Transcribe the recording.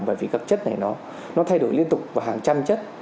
bởi vì các chất này nó thay đổi liên tục vào hàng trăm chất